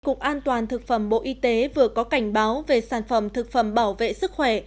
cục an toàn thực phẩm bộ y tế vừa có cảnh báo về sản phẩm thực phẩm bảo vệ sức khỏe